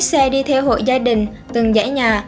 xe đi theo hội gia đình từng giải nhà